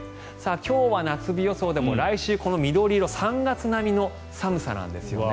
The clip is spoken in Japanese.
今日は夏日予想でも来週３月並みの寒さなんですね。